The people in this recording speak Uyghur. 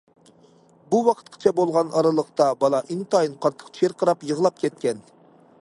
بۇ ۋاقىتقىچە بولغان ئارىلىقتا بالا ئىنتايىن قاتتىق چىرقىراپ يىغلاپ كەتكەن.